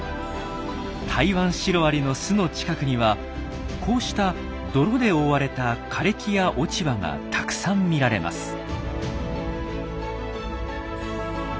タイワンシロアリの巣の近くにはこうした泥で覆われた枯れ木や落ち葉がたくさん見られます。